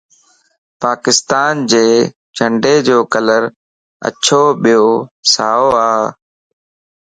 پاڪستان جي جنڊي جو ڪلر اڇو ٻيو سائو ا